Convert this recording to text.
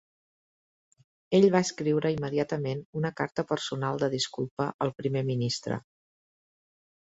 Ell va escriure immediatament una carta personal de disculpa al Primer Ministre.